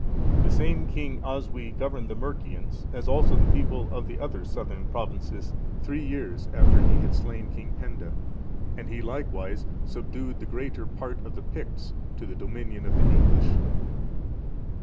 The same King Oswy governed the Mercians, as also the people of the other southern provinces, three years after he had slain King Penda; and he likewise subdued the greater part of the Picts to the dominion of the English.